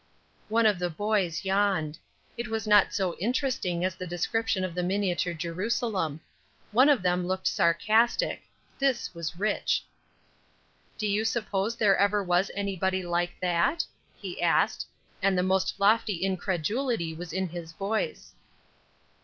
One of the boys yawned. It was not so interesting as the description of the miniature Jerusalem. One of them looked sarcastic. This was Rich. "Do you suppose there ever was anybody like that?" he asked, and the most lofty incredulity was in his voice.